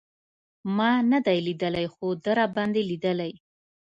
ما نه دی لېدلی خو ده راباندې لېدلی.